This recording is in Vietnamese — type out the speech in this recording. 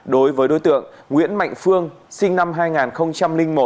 đối với đối tượng nguyễn mạnh phương sinh năm hai nghìn một